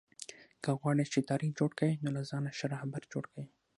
که غواړى، چي تاریخ جوړ کئ؛ نو له ځانه ښه راهبر جوړ کئ!